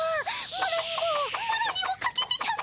マロにもマロにもかけてたも！